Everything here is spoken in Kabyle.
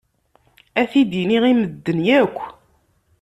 Ad t-id-iniɣ i medden akk.